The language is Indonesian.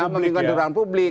membingungkan diri orang publik